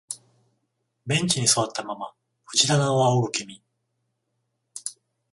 ベンチに座ったまま藤棚を仰ぐ君、